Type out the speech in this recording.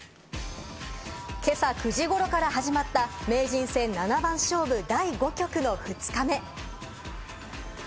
今朝９時ごろから始まった名人戦七番勝負第５局の２日目。